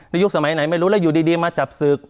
ยุคสมัยไหนไม่รู้แล้วอยู่ดีมาจับศึก